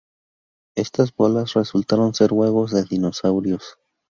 Estas "bolas" resultaron ser huevos de dinosaurios.